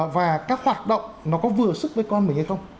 và các hoạt động nó có vừa sức với con mình hay không